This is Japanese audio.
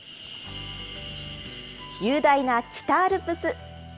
雄大な北アルプス。